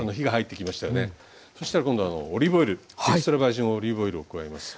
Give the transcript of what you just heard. そしたら今度オリーブオイルエクストラバージンオリーブオイルを加えます。